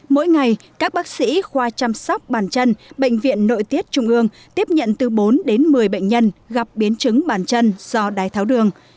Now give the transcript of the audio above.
mỗi ngày các bác sĩ khoa chăm sóc bàn chân bệnh viện nội tiết trung ương tiếp nhận từ bốn đến một mươi bệnh nhân gặp biến chứng bàn chân do đái tháo đường